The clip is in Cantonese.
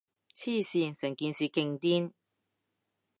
黐線，成件事勁癲